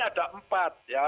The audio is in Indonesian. ada empat ya